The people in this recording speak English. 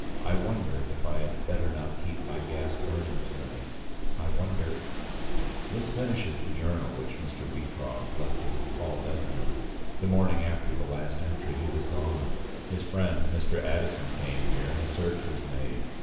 I wonder if I had better not keep my gas burning to night? I wonder —" This finishes the journal which Mr. Wheatcroft left in his hall bedroom. The morning after the last entry he was gone. His friend, Mr. Addison, came here, and a search was made.